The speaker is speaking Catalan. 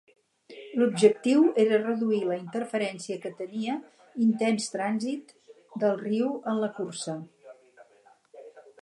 L'objectiu era reduir la interferència que tenia intens trànsit del riu en la cursa.